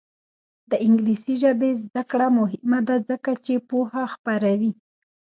د انګلیسي ژبې زده کړه مهمه ده ځکه چې پوهه خپروي.